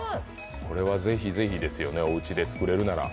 これはぜひぜひですよね、おうちで作れるなら。